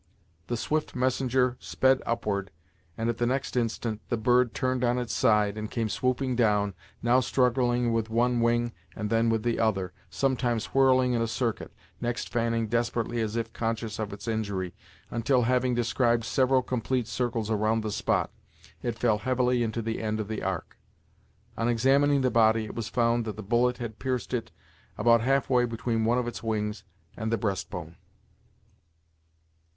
The swift messenger sped upward, and, at the next instant, the bird turned on its side, and came swooping down, now struggling with one wing and then with the other, sometimes whirling in a circuit, next fanning desperately as if conscious of its injury, until, having described several complete circles around the spot, it fell heavily into the end of the Ark. On examining the body, it was found that the bullet had pierced it about half way between one of its wings and the breast bone.